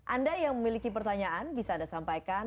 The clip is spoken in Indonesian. anda yang memiliki pertanyaan bisa anda sampaikan